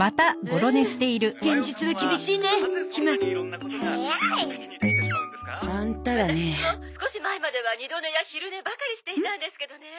「ワタシも少し前までは二度寝や昼寝ばかりしていたんですけどね